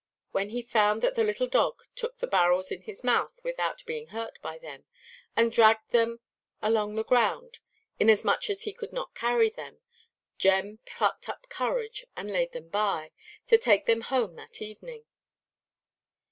When he found that the little dog took the barrels in his mouth without being hurt by them, and then dragged them along the ground, inasmuch as he could not carry them, Jem plucked up courage and laid them by, to take them home that evening.